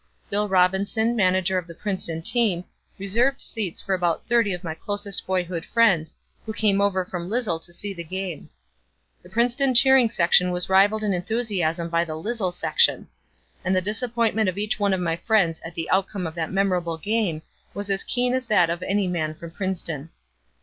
Bill Robinson, manager of the Princeton team, reserved seats for about thirty of my closest boyhood friends who came over from Lisle to see the game. The Princeton cheering section was rivalled in enthusiasm by the "Lisle section." And the disappointment of each one of my friends at the outcome of that memorable game was as keen as that of any man from Princeton.